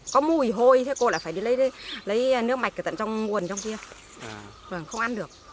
có mùi hôi thế cô lại phải đi lấy nước mạch ở tận trong nguồn trong kia không ăn được